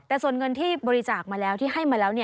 แต่ส่วนเงินที่บริจาคมาแล้วที่ให้มาแล้ว